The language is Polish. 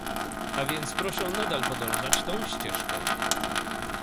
A więc proszę nadal podążać tą ścieżką